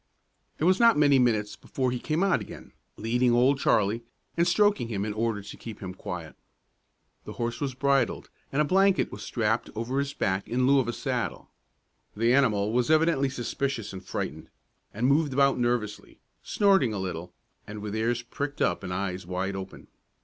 It was not many minutes before he came out again, leading Old Charlie, and stroking him in order to keep him quiet. The horse was bridled, and a blanket was strapped over his back in lieu of a saddle. The animal was evidently suspicious and frightened, and moved about nervously, snorting a little, and with ears pricked up and eyes wide open.